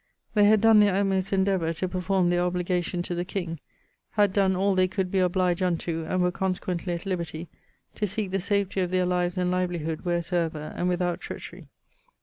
They had done their utmost endeavour to performe their obligation to the king, had done all they could be obliged unto; and were consequently at liberty to seeke the safety of their lives and livelihood wheresoever, and without treachery.'